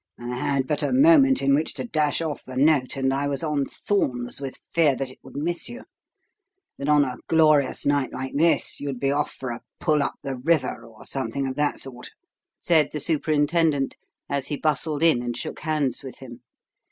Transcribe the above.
I had but a moment in which to dash off the note, and I was on thorns with fear that it would miss you; that on a glorious night like this you'd be off for a pull up the river or something of that sort," said the superintendent, as he bustled in and shook hands with him.